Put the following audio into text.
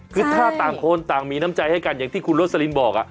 คือถ้าต่างคนต่างมีน้ำใจให้กันอย่างที่คุณโรสลินบอก